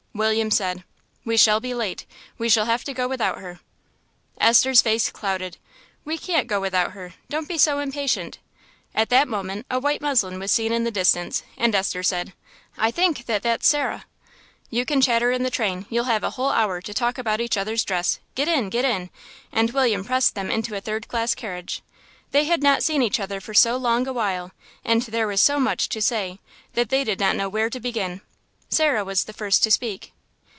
William said "We shall be late; we shall have to go without her." Esther's face clouded. "We can't go without her; don't be so impatient." At that moment a white muslin was seen in the distance, and Esther said, "I think that that's Sarah." "You can chatter in the train you'll have a whole hour to talk about each other's dress; get in, get in," and William pressed them into a third class carriage. They had not seen each other for so long a while, and there was so much to say that they did not know where to begin. Sarah was the first to speak.